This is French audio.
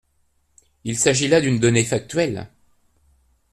Il s’agit là d’une donnée factuelle.